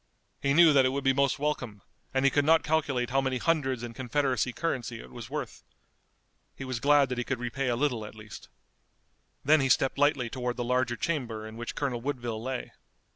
He knew that it would be most welcome, and he could not calculate how many hundreds in Confederacy currency it was worth. He was glad that he could repay a little at least. Then he stepped lightly toward the larger chamber in which Colonel Woodville lay.